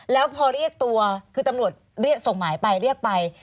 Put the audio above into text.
แล้วพอเรียกตัวคือตำรวจเรียกส่งหมายไปเรียกไป